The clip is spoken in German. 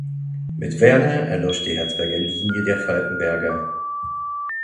Mit Werner erlosch die Herzberger Linie der Falkenberger.